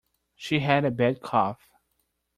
She had a bad cough.